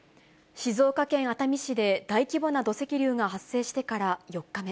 静岡県熱海市で大規模な土石流が発生してから４日目。